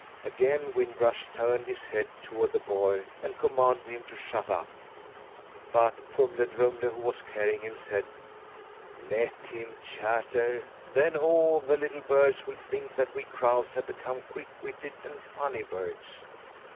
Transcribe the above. Again Wind Rush turned his head toward the boy and commanded him to shut up, but Fumle Drumle, who was carrying him, said: "Let him chatter, then all the little birds will think that we crows have become quick witted and funny birds."